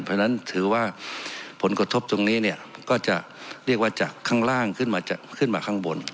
เพราะฉะนั้นถือว่าผลกระทบตรงนี้เนี่ยก็จะเรียกว่าจากข้างล่างขึ้นมาขึ้นมาข้างบน